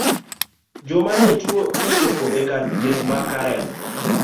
Joma ne tuo nochopo e kar thieth ma karen.